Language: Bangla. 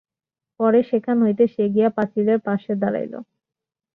পরে সেখান হইতে সে গিয়া পাচিলের পাশের পথে দাঁড়াইল।